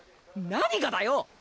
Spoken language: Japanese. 何がだよ！